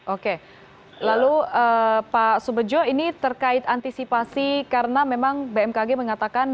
oke lalu pak subedjo ini terkait antisipasi karena memang bmkg mengatakan